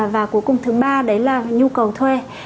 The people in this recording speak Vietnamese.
và cuối cùng thứ ba đấy là nhu cầu thuê